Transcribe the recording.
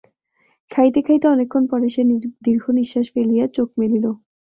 খাইতে খাইতে অনেকক্ষণ পরে সে দীর্ঘনিশ্বাস ফেলিয়া চোখ মেলিল।